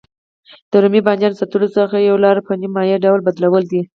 د رومي بانجانو ساتلو څخه یوه لاره په نیم مایع ډول بدلول دي.